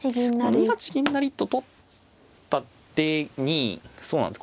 ２八銀成と取った手にそうなんです